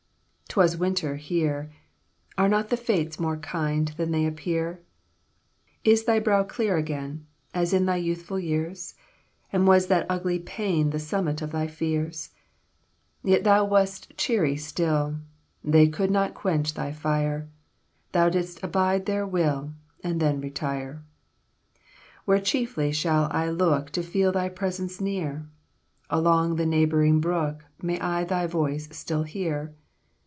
'T was winter here. Are not the Fates more kind Than they appear? "Is thy brow clear again, As in thy youthful years? And was that ugly pain The summit of thy fears? "Yet thou wast cheery still; They could not quench thy fire; Thou didst abide their will, And then retire. "Where chiefly shall I look To feel thy presence near? Along the neighboring brook May I thy voice still hear?